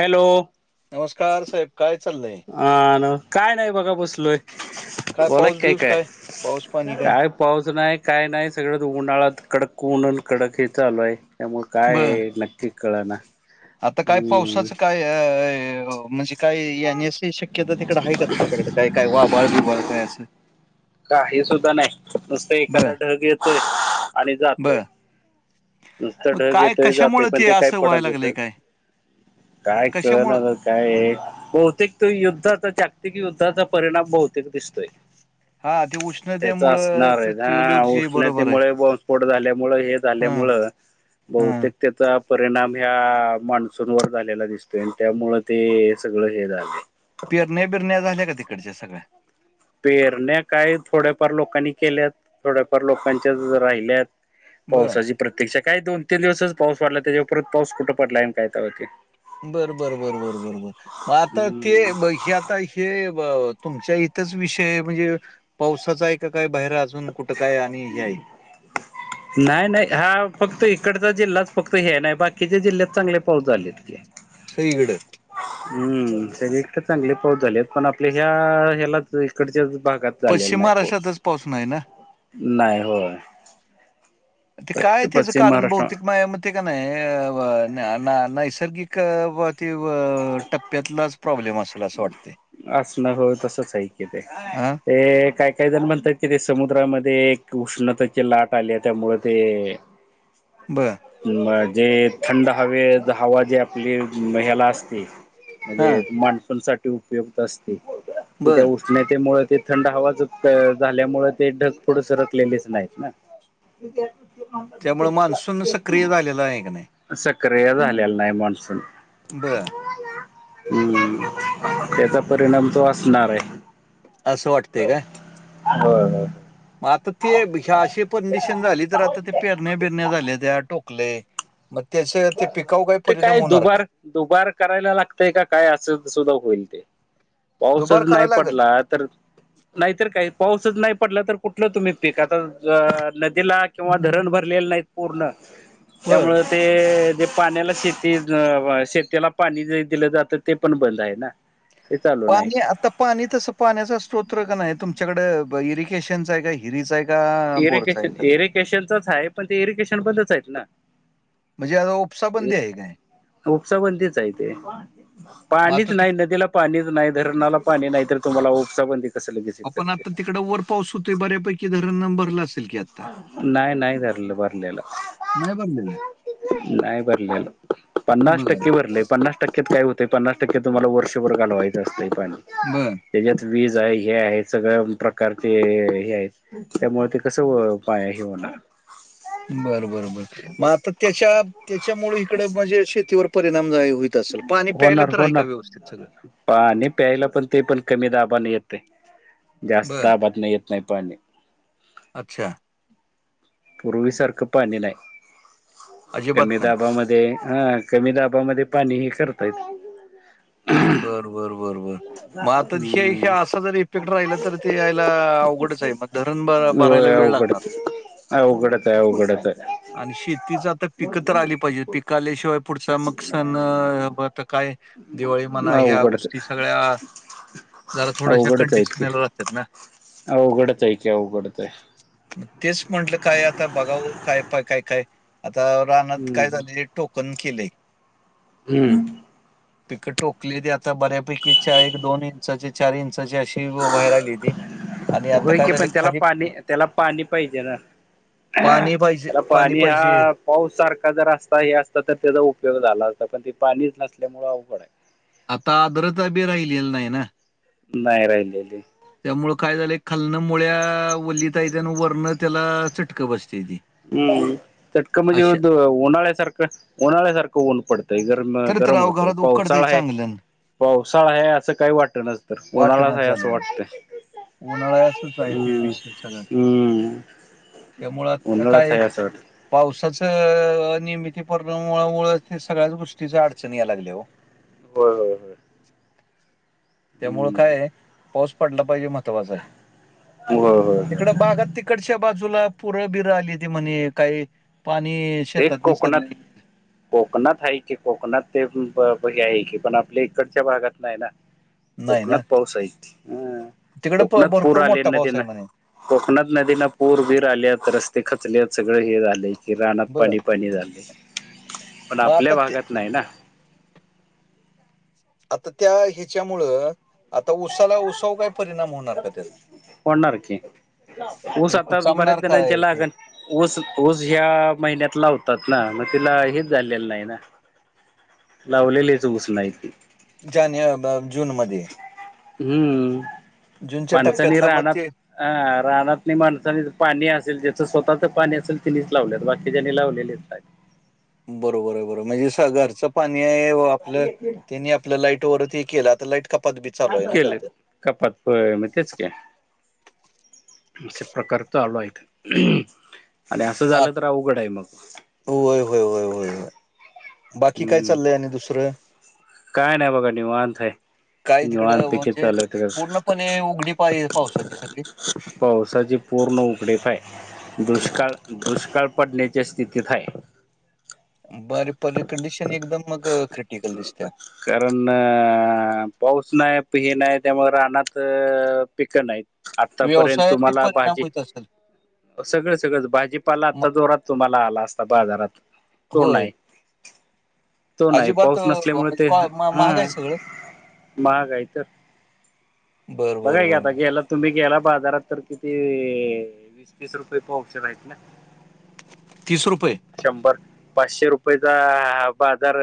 Hello! नमस्कार साहेब काय चाललंय आन काय नाही बघा बसलोय काय बोला पाऊस की काय बिऊस पाऊस पाणी काय..... काय पाऊस नाही काय नाही सगळंच उन्हाळ्यात कडक ऊनन कडक हे चालू हाय त्यामुळ बर काय नक्की कळना आता काय ह पावसाचं काय म्हणजे काय येण्यास शक्यता तिकडे आहे का तुमच्याकडे काय काय वा बळ बिबळ काय असं. का हे सुद्धा नाही नुसत बर एखादा ढग येतोय आणि जातोय. बर नुसतं मग ढग काय येतय जात कशामुळे पण ते काय असं पडत व्हायला लागलंय होेत काय काय कशामुळं कळणार. काय बहुतेक त युद्धाचा जागतिक युद्धाचा परिणाम बहुतेक दिसतोय. हा ते त्याच उष्णतेमुळं असणार आहे ना पृथ्वीवरची बरोबर आहे उष्णतेमुळे बॉम्बस्फोट झाल्यामुळे हेच. हा झाल्यामु हा बहतेक त्याचा परिणाम ह्या मान्सूनवर झालेला दिसतोय आणि त्यामुळं ते सगळं हे झालं आहे. पिरणे बिरण्या झाल्या का तिकडच्या सगळ्या पेरण्या काय थोड्याफार लोकांनी केल्यात थोड्याफार लोकांच्या राहिल्यात. बर पावसाची प्रत्यक्ष काय दोन तीन दिवसच पाऊस वाढला त्याच्यावररच पाऊस कुठं पडलाय काय का होती. बर बर बर बर बरो बर मग आता ते हम्म ब्यात आता हे तुमच्या इथंच विषय म्हणजे पावसाचा आहे का काय बाहेरा. जून कुटकाय आणि ह्याय नाही नाही हा फक्त इकडचा जिल्हाच फक्त हे नाही बाकीच्या जिल्ह्यात चांगले पाऊस झालेत. की सगळीकड हम्म सरी इतकं चांगले पाऊस झालेत पण आपल्या ह्या ह्यालाच इकडच्या भागात झालेला पश्चिम नाही पाऊस. महाराष्ट्रातच पाऊसून नाही ना. नाही होय. ते काय त्याचं पश्चिम कारण महाराष्ट्र भौतिक मायामध्ये का नाही नैसर्गिक ते टप्प्यातलाच प्रॉब्लेम असेल असं वाटते. असणं हो तसच ऐक ते हां, ते काय काही जण म्हणतात. इथे समुद्रामध्ये एक उष्णतेची लाट आली आहे त्यामु ते बर. जे थंड हवे हवा जे आपली ह्याला असते. म्हणजे हां, माणसांसाठीठी उपयुक्त असते तिथे बरं. नाही त्यामुळेळ ते थंड हवाच झाल्यामुळे ते ढग पुोडं सरकलेलेच नाहीत ना. अक. त्यामु मान्सून सक्रिय झालेला आहे क नाही. सक्रिय झालेला नाही मान्सून. बर. हम्म त्याचा परिणाम तो असणार आहे. असं वाटतंय का? हो हो. मग आता तेशी परडिशन झाली तर आता ते पेरण्या बिरण्या झाल्या त्या टोकले. मग त्याचं, ते पिकाऊ काही ते परिणाम काय होणार का? दुबार दुबार करायला लागतय का काय? असं सुद्धा होईल ते. पाऊसच दुबार नाही करायला लागेल पडला, तर? नाहीतर काही, पाऊसच नाही पडला तर कुठलं तुम्ही पीक? आता नदीला किंवा धरण भरलेले नाहीत पूर्ण [inaudible] त्यामुळं ते ते जे पाण्याला शेती, शेतीला पाणी जे दिलं जातं, ते पण बंद आहे ना. ते चालू नाही पाणी, आता पाणी तसं पाण्याचा स्त्रोत्र का नाही तुमच्याकडं, इरिगेशनचाय काय की. हिरीचाय का? बोरचा आहे इरिगेशन, का इरिगेशनचच हाय, पण ते इरिगेशन बंदचायत ना. म्हणजे आता उपसा बंदी आहे काय? उपसाबंदीच आहे ते मग पाणीच आता ते नाही नदीला. पाणीच नाही धरणाला पाणी नाही तर तुम्हाला उपसाबंदी कसं लगेच तर. आपण आता तिकडे वर पाऊस होते बऱ्यापैकी धरणनां भरला असेल की आता नाही नाही रलं भरलेलं. नाही भरलेलं नाही भरले पन्नास बर टक्के भरले पन्नास टक्कत काय होते पन्नास टक्के तुम्हाला वर्षभरालवायच असतं पण. बरं. त्याच्यात वीज आहे, हे आहे, सगळ्या प्रकारचे हे आहेत त्यामुळे ते कस? [unintelligible] ही होणा बरं, बर, बर. मग आता त्याच्या, त्याच्यामुळे इकडे म्हणजे शेतीवर परिणाम जाय होई असल. पाणी प्यायला होणार तर आहे होणार का व्यवस्थित सगळं? पाणी प्यायला पण ते पण कमी दाबान येतय. जास्त बरं. दाबातन येत नाही पाणी. अच्छा. पूर्वीसारखं पाणी नाही. कमी अजिबात नाही. दाबामध्ये हा, कमी दाबामध्ये पाणीही करतायत. [inaudible] बर, बर, बर, बर. मग आता हे, हे हम्म असं जर इफेक्ट राहिला तर, ते यायला अवघडच आहे मग. धरण ब भरायला वेळ लागणार हो. अवघडचय, अवघडचय. आणि शेतीच आता पिकं तर आली पाहिजे. पिक आल्याशिवाय पुढचा मग सण, आता काय? दिवाळी म्हणा. ह्या अवघडच गोष्टी सगळ्या जरा थोड्याश्या, अवघडच आहेत की कंडिशनला राहत्यात ना? अवघडच आहे की अवघडच आहे तेच म्हटलं, काय आता बघाव. काय पाय काय -काय आता रानात काय हम्म झालंय? टोकन केलय. हम्म. पिक टोकली. ते आता बऱ्यापैकी च्या एक दोन इंचाचे चार इंचाचे अशे बाहेर आलेती. आणि आता होय काय की झाले, पण त्याला खाली पाणी त्याला पाणी पाहिजे ना पाणी पाहिजे. पाणी पाहिजे. पाऊसारखा जर असता हे असता तर त्याचा उपयोग झाला असता, पण ते पाणीच नसल्यामुळे अवघडाय. आता आदरता भी राहिलेला नाही ना. नाही रायलेली. त्यामुळ काय झालय, खालनं मुळ्या वलीतायत्या आणि वरणं त्याला चटक बसत्याती. हम्म. चटकं म्हणजे द उन्हाळ्या सारखं. उन्हाळ्यासारखं ऊन पडतंय. गरम, तर तर गरम अहो होतय घरात उकडतंय पावसाळा हाय चांगलं पावसाळाय असं काही वाटनाच तर, उन्हाळाच हाय असं वाटतंय. उन्हाळाय असचाय ते हम्म. विषय सगळं. हम्म. त्यामुळं आता उन्हाळाच काय आहे असं वाटतं. पावसाच अनियमीती परणा [unintelligible] मुळंच ते सगळ्याच गोष्टीच अडचण या लागल्या ओ. होय, होय, होय. त्यामुळं हम्म कायाय, पाऊस पडला पाहिजे महत्त्वाचाय. होय होय तिकड होय बागा तिकडच्या बाजूला पुरं बिर आली ती म्हणे काही पाणी ते शेतात कोकणात शिरलंय कोकणात आहे की कोकणात ते हे आहे की पण आपल्या इकडच्या भागात नाही ना नाही कोकणात ना पाऊस आहे की तिकडं प- कोकणात पूर भरपूर आले मोठा ना पाऊस तेना आहे म्हणे कोकणात नदीना पूर बीर आलेत रस्ते खचले सगळे हे झालेय की रानात बर पाणी पाणी झाले पण मग आपल्या आता ते- भागात नाही ना आता त्या हेच्यामुळं आता उसाला उसावर काय परिणाम होणार का तेचा होणार की. ऊस हे आत्ता बऱ्याच कुचामणार जणांचे काय ते लागण ऊस, ऊस ह्या महिन्यात लावतात ना. मग तिला हेच झालेलं नाही ना. लावलेलेच ऊस नाहीती. जाने अ ब जूनमध्ये. हम्म जूनच्या [unintelligible] टप्प्यातला मग रानात ते हा रानातली माणसानी पाणी असेल तेचं स्वतःच पाणी असेल तिनीच लावलेत बाकीच्यांनी लावलेलीच नाहीत. बरोबर आहे बरोर म्हणजे घरचं पाणी आहे आपलं त्यांनी आपल लाईट वरती केल आता लाईट बी चालू आहे ना केल काहीतरी कपात होय मग तेच की असे प्रकार चालू आहेत आणि असं झालं तर अवघड आहे मग व्हय व्हय व्हय व्हय व्हय बाकी काय हम्म चाललंय आणि दुसरं काय नाही बघा निवांत काय निवांत तिकडं पैकी म्हणजे चालू हाय सगळ पूर्णपणे उघडी पाय पावसाची सगळी. पावसाची पूर्ण उगडीफ हाय दुष्काळ. दुष्काळ पडण्याच्या स्थितीत हाय बर [inaudible] कंडिशन एकदम मग खं [inaudible] कारण... पाऊस नाही हे नाही त्यामुळं रानात पिकं नाहीत. आतापर्यंत व्यवसायात बी तुम्हाला परिणाम भाजी होत असेल? सगळं सगळंच भाजीपाला म आता जोरात तुम्हाला आला असता बाजारात तो होय. नाही. तो नाही अजिबात पाऊस नसल्यामुळे ते म्हणजे महाग हा आहे सगळं बरं, बरं, बघाकी बरं. आता गेलात तुम्ही गेला बाजारात तर किती.... वीस तीस रुपये पावशेर आहेत ना तीस रुपये शंभर पाचशे रुपयेचा ह बा आजार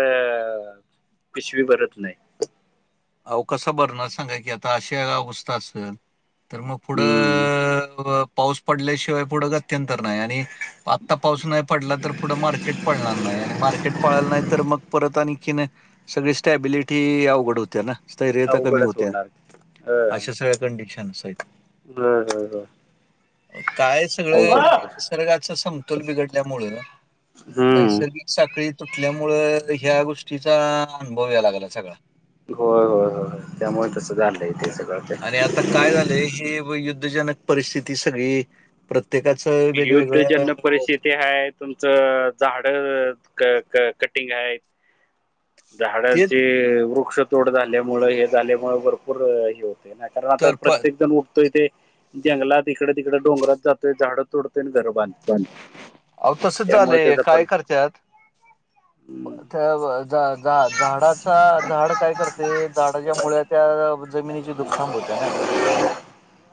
पिशवी भरत नाही अहो कसा भरणार सांगा की आता आशी अवस्था असल तर मग पुढं.... हम्म. पाऊस पडल्याशिवाय पुढं गत्यंतर नाही आणि आत्ता पाऊस नाही पडला तर पुढं मार्केट पळणार नाही आणि मार्केट पळाला नाही तर मग परत आणि [inaudible] सगळी स्टॅबिलिटी अवघड होत्या ना स्थैर्यता कमी अवघडच होत्या होणार अ अशा सगळ्या कंडिशन्स आहेत होय होय होय. काय सगळं म्हणजे अवघड निसर्गाच समतोल बिघडल्यामुळ हम्म. नैसर्गिक साखळी तुटल्यामुंळ ह्या गोष्टीचा अनुभव या लागला सगळा व्हय व्हय व्हय त्यामुळे तसं झालंय ते सग आणि आता काय झालंय हे युद्धजनक परिस्थिती सगळी प्रत्येकाच युद्धजनक परिस्थिती आहेत तुमचं झाड कटिंग हाय तेच झाडांचे वृक्षतोड झाल्यामुळे हे झाल्यामुळे भरपूर हे हो नाहीतर आता तर प प्रत्येक जण उठतो तेे जंगलात इकडे तिकडे डोंगरात जातोय झाडं तोडतोय आणि घर बांध अहो तसच झालंय पण काय करत्यात [inaudible] झा झा झाडाचा झाड काय करते झाडाच्या मुळ्या त्या जमिनीची धूप थांबवते ना.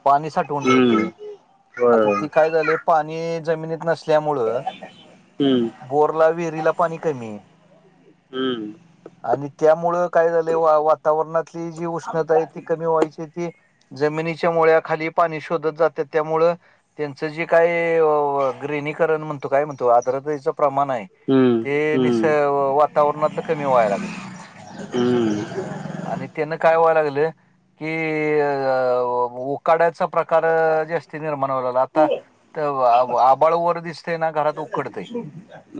पाणी साठवून ठेवतय आता ती काय झाले पाणी जमिनीत नसल्यामुळं बोरला विहिरीला पाणी कमी ये. हम्म. आणि त्यामुळं काय झालंय वा वातावरणातली जी उष्णता आहे ती कमी व्हायची ती जमिनीच्या मुळ्या खाली पाणी शोधत जात्यात त्यामुळ त्यांचं जे काय अ ग्रेनीकरण म्हणतो काय म्हणतो आद्रतेचा प्रमाण आहे ते निस वातावरणातलं कमी व्हायला लागेलं. हम्म आणि त्यांन काय व्हाया लागलं कि अ उकाड्याचा प्रकार अ जास्ती निर्माण होयला लागला आता त आभांळ वर दिसतेय ना घरात उकडतय.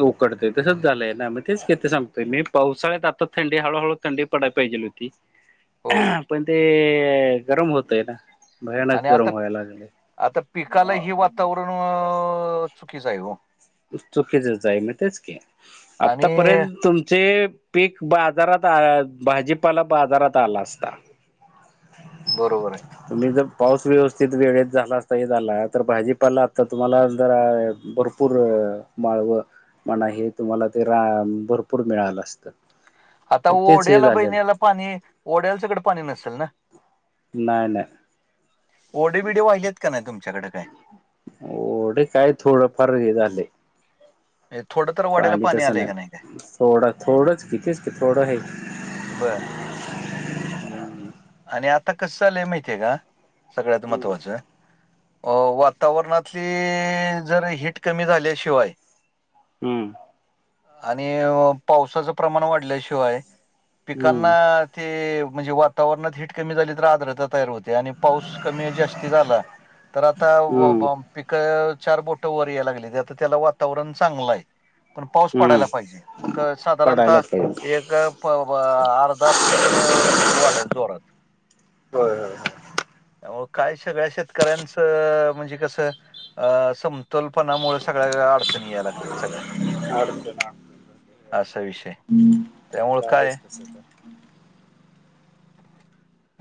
उकडतय तसंच झालंय ना मग तेच की आता सांगतोय मी पावसाळ्यात आता थंडी हळूहळू थंडी पडाला पाहिजे होती. हो पण ते गरम होतय ना भयानक आणि गरम आता व्हायला लागलय. आता पिकाला हें वातावरण अ चुकीचं आहे हो. चुकीचच आहे म तेच की आणि आतापर्यंत तुमचे पीक बाजारात आ या भाजीपाला बाजारात आला असता. बरोबर आहे. तुम्ही जर पाऊस व्यवस्थित वेगळेत झाला असता हे झाला तर भाजीपाला आता तुम्हाला जरां भर पूर माळवं म्हणा हे तुम्हाला ते रानं भरपूर मिळालं असतं. [unintelligible] आता तेच हे ओढ्याला बय झालेलं न्यायला पाणी ओढ्याला कडं पाणी नसल न नाही नाही ओडी बीडी वाहिलीत का नाय तुमच्याकडे काय? ओढ काय थोड फार हें झालंय. म्हणजे थोडं तर ओढ्याला पाणी तसं आलंय नाय का नाही काय थोडं थोडंच कि तेच कि थोडं हाय बर. आणि आता कसं झालंय माहितीय का सगळ्यात हम्म महत्त्वाचं अ वातावरणातली जर हीट कमी झाल्याशिवाय [unintelligible] हम्म आणि पावसाचं प्रमाण वाढल्याशिवाय पिकांना हम्म हम्म ते म्हणजे वातावरणात हीट कमी झाली तर आर्द्रता तयार होते आणि पाऊस कमी जास्ती झाला तर आता ब हम्म ब पिक चार बोटं वर यायला लागलीत आता त्याला वातावरण चांगलं हाय. पण पाऊस हम्म पडायला पाहिजे मग पडायला साधारणतः पाहिजे एक प वं अर्धा फुट भर पिक वाढल जोरात आवो काय सगळ्या शेतकऱ्यांचं म्हणजे कसं अ समतोलपणामुळे सगळ्या अडचणी यायला लागल्यात सगळ्या [unintelligible] असा विषय त्यामुळ बेस तस तर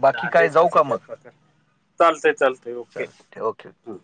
बाकी काय झालंच जाऊ तसं का त्या मग प्रकार चालत चालतय ओके चालते ओके ह